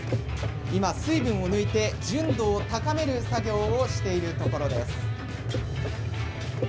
今、水分を抜いて純度を高める作業をしているところです。